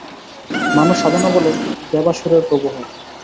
মানুষ সাধনাবলে দেবাসুরের প্রভু হয়।